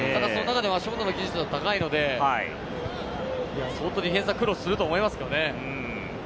足元の技術が高いので、相当ディフェンスは苦労すると思いますね。